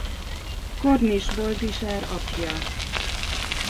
Kornis Boldizsár apja.